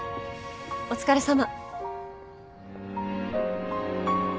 お疲れさま。